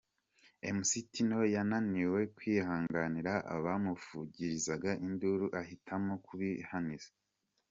Mc Tino yananiwe kwihanganira abamuvugirizaga induru ahitamo kubihaniza.